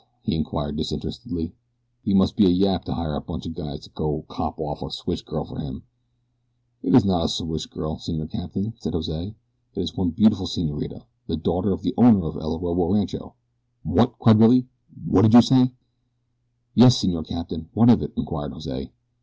he inquired disinterestedly. "He must be a yap to hire a bunch o' guys to go cop off a siwash girl fer him." "It is not a siwash girl, Senor Capitan," said Jose. "It is one beautiful senorita the daughter of the owner of El Orobo Rancho." "What?" cried Billy Byrne. "What's that you say?" "Yes, Senor Capitan, what of it?" inquired Jose.